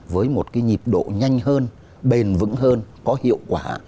với một cái nhịp độ nhanh hơn bền vững hơn có hiệu quả